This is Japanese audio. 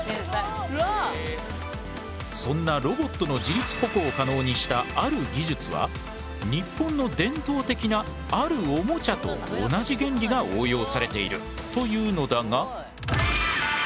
そんなロボットの自立歩行を可能にしたある技術は日本の伝統的なあるおもちゃと同じ原理が応用されているというのだが。